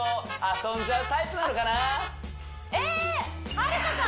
遊んじゃうタイプなんだね